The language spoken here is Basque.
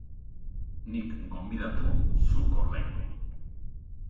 Nik gonbidatu, zuk ordaindu.